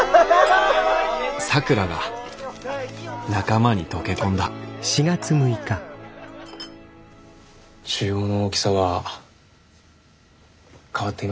咲良が仲間に溶け込んだ腫瘍の大きさは変わっていませんね。